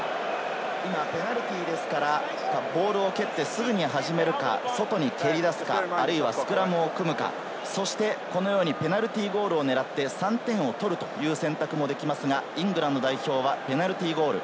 ペナルティーですからボールを受けてすぐに始めるか、外に蹴り出すか、あるいはスクラムを組むか、そしてこのようにペナルティーゴールを狙って３点を取るという選択もできますが、イングランド代表はペナルティーゴール。